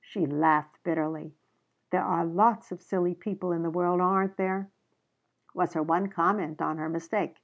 She laughed bitterly. "There are lots of silly people in the world, aren't there?" was her one comment on her mistake.